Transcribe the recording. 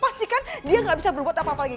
pastikan dia nggak bisa berbuat apa apa lagi